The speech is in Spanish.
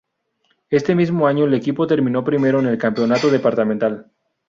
Este mismo año el equipo terminó primero en el campeonato departamental.